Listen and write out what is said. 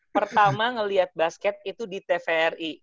pertama ngelihat basket itu di tvri